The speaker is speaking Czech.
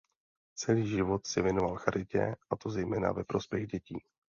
Celý život se věnoval charitě a to zejména ve prospěch dětí.